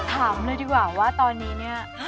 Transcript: ถามเลยดีกว่าว่าตอนนี้เนี่ย